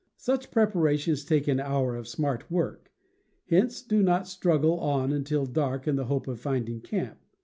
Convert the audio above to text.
Such preparations take an hour of smart work; hence do not struggle on until dark in the hope of finding camp.